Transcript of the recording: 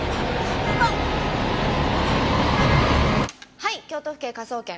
はい京都府警科捜研。